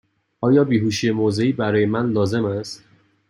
آیا بیهوشی موضعی برای من لازم است؟